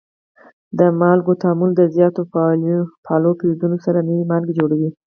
د مالګو تعامل د زیاتو فعالو فلزونو سره نوي مالګې جوړوي.